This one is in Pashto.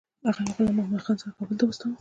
هغه له غلام محمدخان سره کابل ته واستاوه.